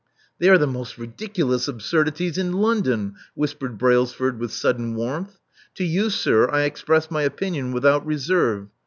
They are the most ridiculous absurdities in Lon don, whispered Brailsford with sudden warmth. To you, sir, I express my opinion without reserve.